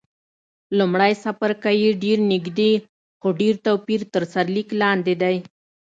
لومړی څپرکی یې ډېر نږدې، خو ډېر توپیر تر سرلیک لاندې دی.